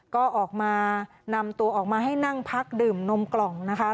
ก็ออกมานำตัวออกมาให้นั่งพักดื่มนมกล่องนะคะ